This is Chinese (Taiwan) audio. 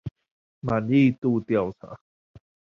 滿意度調查